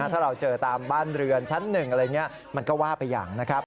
ถ้าเราเจอตามบ้านเรือนชั้นหนึ่งมันก็ว่าไปอย่างนะครับ